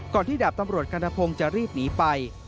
ก่อนที่ดับตำรวจกันทพงศ์จะรีบหนีไป